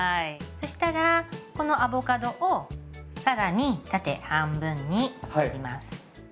そしたらこのアボカドを更に縦半分に切ります。